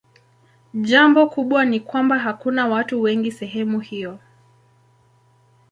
Jambo kubwa ni kwamba hakuna watu wengi sehemu hiyo.